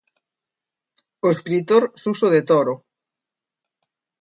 O escritor Suso de Toro.